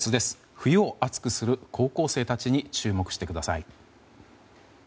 冬を熱くする高校生たちに注目してください。